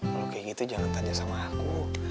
kalo kaya gitu jangan tanya sama aku